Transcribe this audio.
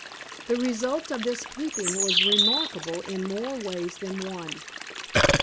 The result of this peeping was remarkable in more ways than one.